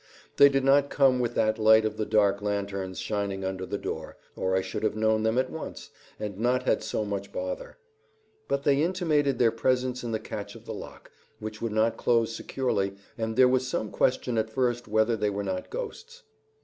They did not come with that light of the dark lanterns shining under the door, or I should have known them at once, and not had so much bother; but they intimated their presence in the catch of the lock, which would not close securely, and there was some question at first whether they were not ghosts.